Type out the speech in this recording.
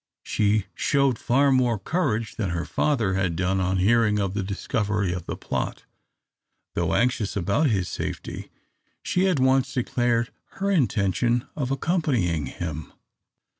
She showed far more courage than her father had done on hearing of the discovery of the plot, though anxious about his safety. She at once declared her intention of accompanying him.